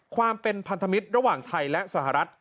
ความเป็นพันธมิตรระหว่างไทยและสหรัฐ